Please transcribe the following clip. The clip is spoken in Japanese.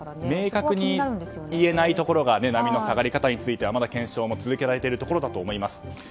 明確にいえないところが波の下がり方についてはまだ検証も続けられているところだと思います。